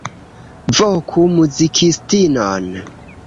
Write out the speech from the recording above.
Voku muzikistinon.